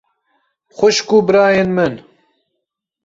Xwişk û birayên min!